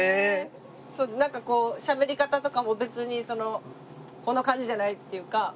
なんかこうしゃべり方とかも別にそのこの感じじゃないっていうか。